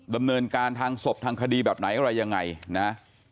ดำเนินการทางศพทางคดีแบบไหนอะไรยังไงนะ